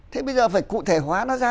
thế bây giờ phải cụ thể hóa nó ra